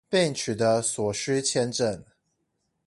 並取得所需簽證